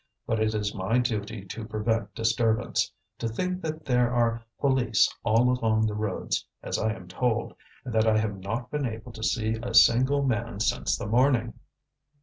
But it is my duty to prevent disturbance. To think that there are police all along the roads, as I am told, and that I have not been able to see a single man since the morning!"